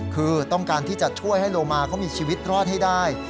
คือต้องการที่จะช่วยให้โลมาเขามีชีวิตรอดให้ได้